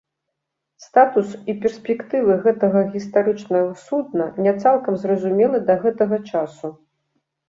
Статус і перспектывы гэтага гістарычнага судна не цалкам зразумелы да гэтага часу.